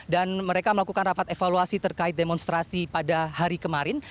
dan mereka melakukan rapat evaluasi terkait demonstrasi pada hari kemarin